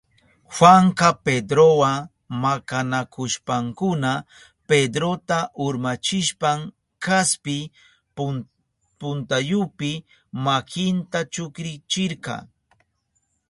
Juanka Pedrowa makanakushpankuna Pedrota urmachishpan kaspi puntayupi makinta chukrichirka.